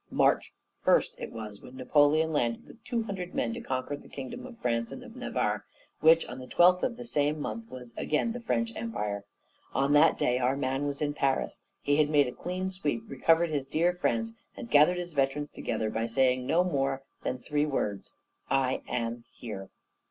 March first it was, when Napoleon landed with two hundred men to conquer that kingdom of France and of Navarre, which, on the twentieth of the same month was again the French Empire. On that day our MAN was in Paris; he had made a clean sweep, recovered his dear France, and gathered his veterans together by saying no more than three words, 'I am here.'